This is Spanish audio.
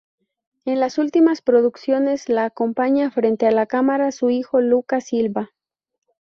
En las últimas producciones la acompaña frente a la cámara su hijo Lucas Silva.